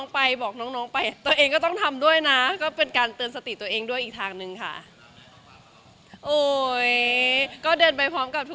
ฝามว่าให้